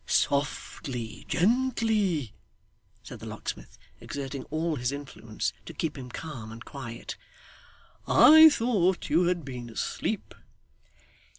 'Softly gently,' said the locksmith, exerting all his influence to keep him calm and quiet. 'I thought you had been asleep.